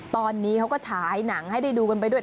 ตอนนี้เขาก็ฉายหนังให้ได้ดูกันไปด้วย